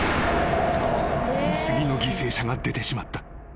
［次の犠牲者が出てしまった］